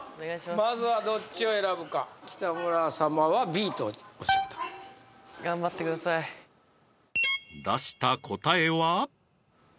まずはどっちを選ぶか北村様はＢとおっしゃった頑張ってください出した答えは？